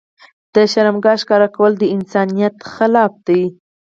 د شرمګاه ښکاره کول د انسانيت خلاف دي.